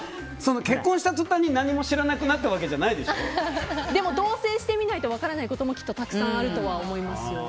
結婚したとたんに何も知らなくなったわけじゃでも同棲してみないと分からないこともきっとたくさんあるとは思いますよ。